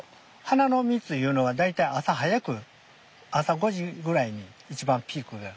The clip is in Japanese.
花の蜜いうのは大体朝早く朝５時ぐらいに一番ピークが。